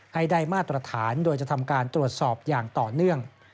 ให้ได้มาตรฐานโดยจะทำการตรวจสอบอย่างต่อเนื่อง